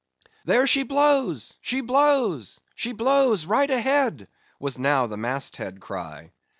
"There she blows—she blows!—she blows!—right ahead!" was now the mast head cry.